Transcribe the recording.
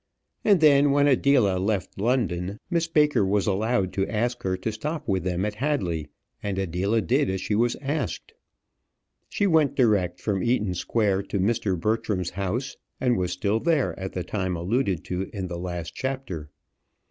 And then when Adela left London, Miss Baker was allowed to ask her to stop with them at Hadley and Adela did as she was asked. She went direct from Eaton Square to Mr. Bertram's house; and was still there at the time alluded to in the last chapter.